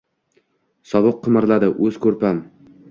Sovuq qimirladi oʻz koʻrpam.